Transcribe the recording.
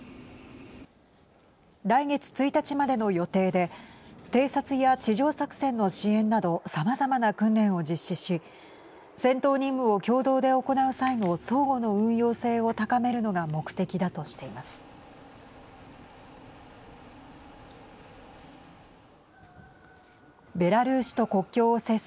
来月１日までの予定で偵察や地上作戦の支援などさまざまな訓練を実施し戦闘任務を共同で行う際の相互の運用性を高めるのが目的だとしています。